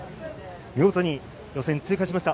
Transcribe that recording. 見事予選通過しました。